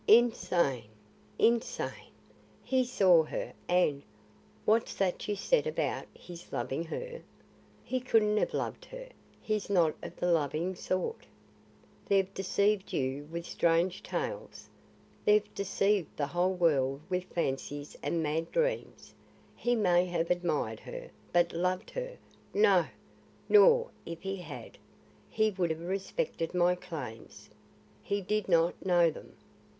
Insane! Insane! He saw her and What's that you said about his loving her? He couldn't have loved her; he's not of the loving sort. They've deceived you with strange tales. They've deceived the whole world with fancies and mad dreams. He may have admired her, but loved her, no! or if he had, he would have respected my claims." "He did not know them."